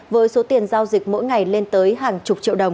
với số tiền giao dịch mỗi ngày lên tới hàng chục triệu đồng